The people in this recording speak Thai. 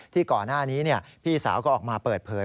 ก่อนหน้านี้พี่สาวก็ออกมาเปิดเผย